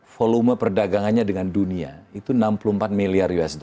volume perdagangannya dengan dunia itu enam puluh empat miliar usd